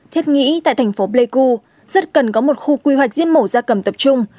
thếp nghĩ tại thành phố pleiku rất cần có một khu quy hoạch giết mổ ra cầm tập trung